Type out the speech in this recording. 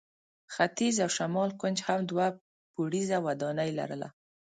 ختیځ او شمال کونج هم دوه پوړیزه ودانۍ لرله.